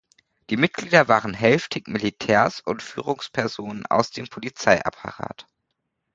Die Mitglieder waren hälftig Militärs und Führungspersonen aus dem Polizeiapparat.